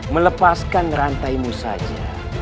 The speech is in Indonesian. melepaskan rantaimu saja